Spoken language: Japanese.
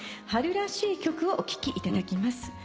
春らしい曲をお聴きいただきます。